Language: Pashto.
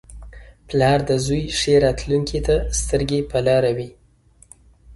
• پلار د زوی ښې راتلونکې ته سترګې په لاره وي.